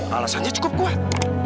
alasannya cukup kuat